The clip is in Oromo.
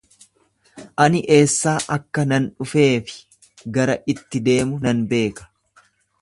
Ani eessaa akka nan dhufee fi gara itti deemu nan beeka.